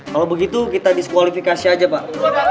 kalau begitu kita diskualifikasi aja pak